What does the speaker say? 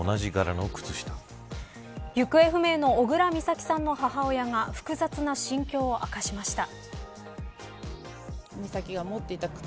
行方不明の小倉美咲さんの母親が複雑な心境を明かしました。